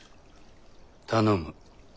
頼む。